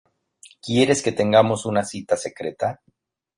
¿ quieres que tengamos una cita secreta?